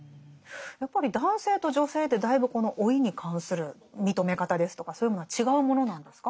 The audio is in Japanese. やっぱり男性と女性でだいぶこの老いに関する認め方ですとかそういうものは違うものなんですか？